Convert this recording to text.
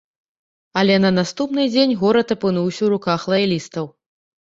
Але на наступны дзень горад апынуўся ў руках лаялістаў.